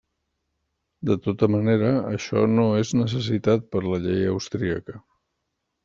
De tota manera això no és necessitat per la llei austríaca.